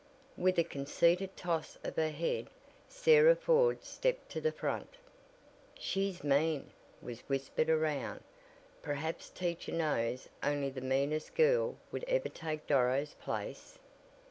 With a conceited toss of her head Sarah Ford stepped to the front. "She's mean," was whispered around. "Perhaps teacher knows only the meanest girl would ever take Doro's place."